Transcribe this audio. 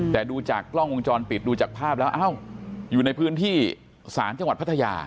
แต่ดูจากกล้องวงจรปิดดูจากภาพแล้วอยู่ในพื้นที่ศาลจังหวัดพัทยา